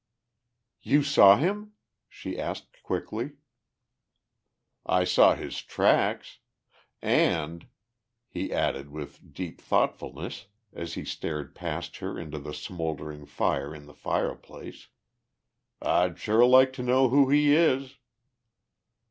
"You saw him?" she asked quickly. "I saw his tracks. And," he added with deep thoughtfulness as he stared past her into the smouldering fire in the fireplace, "I'd sure like to know who he is."